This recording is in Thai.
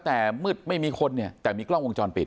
แต่มืดไม่มีคนเนี่ยแต่มีกล้องวงจรปิด